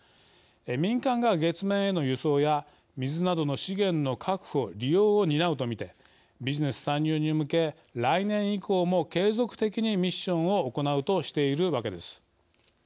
民間が月面への輸送や水などの資源の確保、利用を担うと見てビジネス参入に向け来年以降も継続的にミッションを行うとしているわけです。